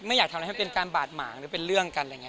ไม่อยากทำอะไรให้เป็นการบาดหมางหรือเป็นเรื่องกัน